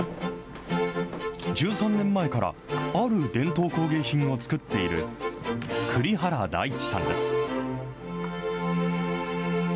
１３年前から、ある伝統工芸品を作っている栗原大地さんです。